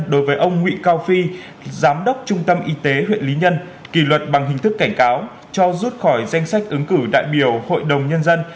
đối với ông nguyễn cao phi giám đốc trung tâm y tế huyện lý nhân kỷ luật bằng hình thức cảnh cáo cho rút khỏi danh sách ứng cử đại biểu hội đồng nhân dân